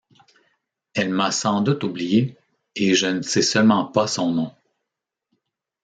Elle m’a sans doute oublié, et je ne sais seulement pas son nom.